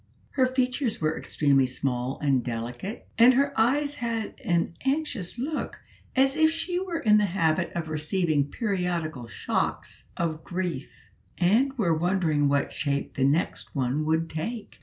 Her features were extremely small and delicate, and her eyes had an anxious look, as if she were in the habit of receiving periodical shocks of grief, and were wondering what shape the next one would take.